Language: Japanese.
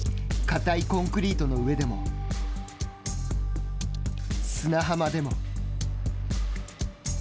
固いコンクリートの上でも、砂浜でも。